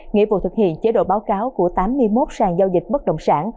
nghĩa vụ thực hiện chế độ báo cáo của tám mươi một sàn giao dịch bất động sản